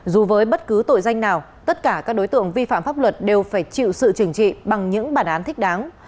dù với bất cứ tội danh nào tất cả các đối tượng vi phạm pháp luật đều phải chịu sự trừng trị bằng những bản án thích đáng